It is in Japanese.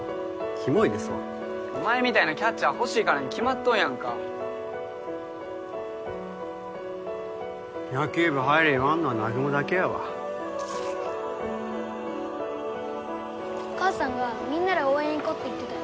キモいですわお前みたいなキャッチャー欲しいからに決まっとんやんか「野球部入れ」言わんのは南雲だけやわお母さんがみんなで応援行こうって言ってたよ